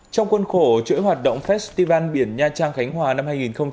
trong cuốn khổ chuỗi hoạt động festival biển nha trang khánh hòa năm hai nghìn hai mươi ba